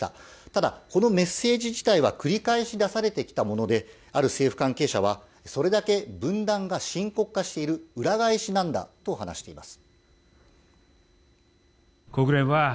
ただ、このメッセージ自体は繰り返し出されてきたもので、ある政府関係者は、それだけ分断が深刻化している裏返しなんだと話しています。